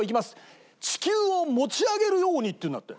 「地球を持ち上げるように！」って言うんだって。